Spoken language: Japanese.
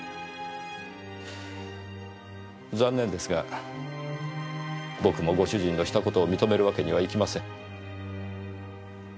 残念ですが僕もご主人のした事を認めるわけにはいきません。